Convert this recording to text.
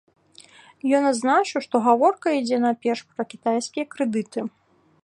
Ён адзначыў, што гаворка ідзе найперш пра кітайскія крэдыты.